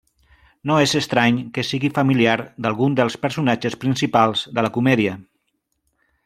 No és estrany que sigui familiar d'algun dels personatges principals de la comèdia.